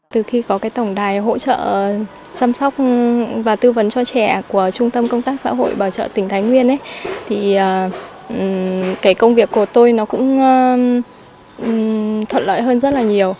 từ khi có tổng đài hỗ trợ chăm sóc và tư vấn cho trẻ của trung tâm công tác xã hội bảo trợ tỉnh thái nguyên công việc của tôi cũng thuận lợi hơn rất nhiều